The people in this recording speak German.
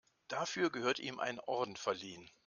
Dafür gehört ihm ein Orden verliehen.